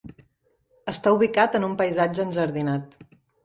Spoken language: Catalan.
Està ubicat en un paisatge enjardinat.